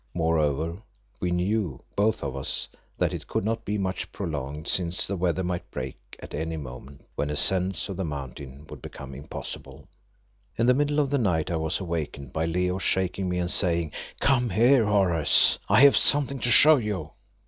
Moreover, we knew, both of us, that it could not be much prolonged, since the weather might break at any moment, when ascents of the mountain would become impossible. In the middle of the night I was awakened by Leo shaking me and saying "Come here, Horace, I have something to show you."